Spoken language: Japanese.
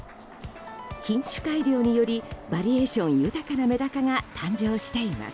品種改良によりバリエーション豊かなメダカが誕生しています。